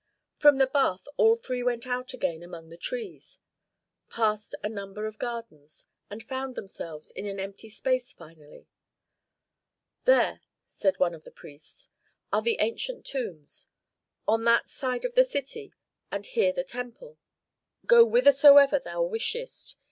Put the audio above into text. From the bath all three went out again among the trees, passed a number of gardens, and found themselves in an empty space finally. "There," said one of the priests, "are the ancient tombs; on that side is the city, and here the temple. Go whithersoever thou wishest.